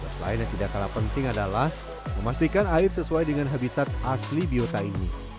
selain yang tidak kalah penting adalah memastikan air sesuai dengan habitat asli biota ini